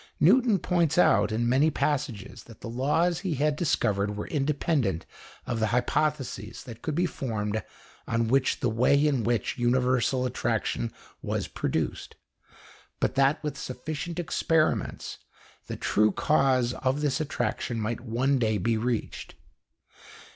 Newton points out, in many passages, that the laws he had discovered were independent of the hypotheses that could be formed on the way in which universal attraction was produced, but that with sufficient experiments the true cause of this attraction might one day be reached.